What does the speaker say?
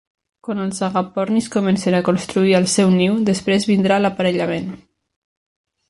Quan els agapornis comencen a construir el seu niu, després vindrà l"aparellament.